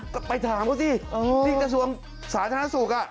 ก็ไปถามเขาสิที่กระทรวงสาธารณสุข